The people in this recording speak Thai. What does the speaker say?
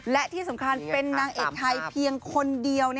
และที่สำคัญเป็นนางเอกไทยเพียงคนเดียว